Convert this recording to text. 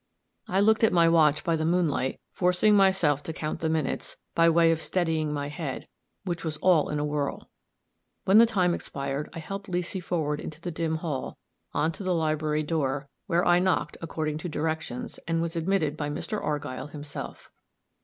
I looked at my watch by the moonlight, forcing myself to count the minutes, by way of steadying my head, which was all in a whirl. When the time expired, I helped Leesy forward into the dim hall, on to the library door, where I knocked, according to directions, and was admitted by Mr. Argyll himself.